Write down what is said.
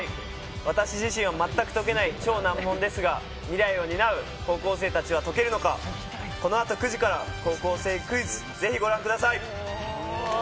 私自身は全く解けない超難問ですが、未来を担う高校生たちは解けるのか、このあと９時から高校生クイズぜひご覧ください。